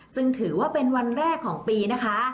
ซึ่งถือว่าเป็นวันแรกของปีนะคะ